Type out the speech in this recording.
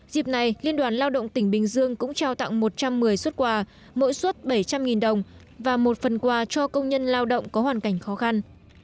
dịp này liên đoàn lao động tỉnh bình dương cũng trao tặng một trăm một mươi xuất quà mỗi xuất bảy trăm linh đồng và một phần quà cho công nhân lao động có hoàn cảnh khó khăn